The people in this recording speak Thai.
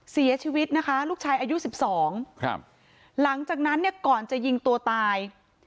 เสียชีวิตนะคะลูกชายอายุ๑๒ครับหลังจากนั้นเนี่ยก่อนจะยิงตัวตาย